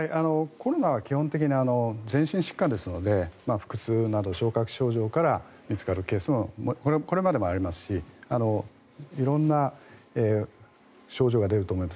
コロナは基本的に全身疾患ですので腹痛など消化器症状から見つかるケースもこれまでもありますし色んな症状が出ると思います。